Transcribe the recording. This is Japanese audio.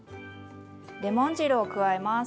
レモン汁を加えます。